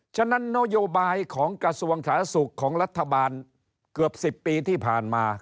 ฉะนั้นนโยบายของกระทรวงสาธารณสุขของรัฐบาลเกือบ๑๐ปีที่ผ่านมา